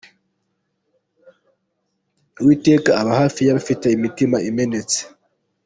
Uwiteka aba hafi y’abafite imitima imenetse.